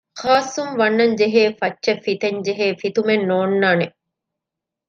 ޚާއްސުން ވަންނަން ޖެހޭ ފައްޗެއް ފިތެން ޖެހޭ ފިތުމެއް ނޯންނާނެ